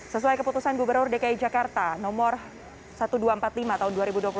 sesuai keputusan gubernur dki jakarta nomor seribu dua ratus empat puluh lima tahun dua ribu dua puluh satu